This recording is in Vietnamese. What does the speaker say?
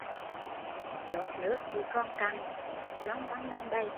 Choác nước chỉ còn cặn, loăng quăng nằm đầy